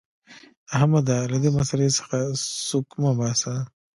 احمده! له دې مسئلې څخه سوک مه باسه.